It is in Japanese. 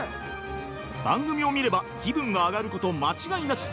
番組を見れば気分が上がること間違いなし。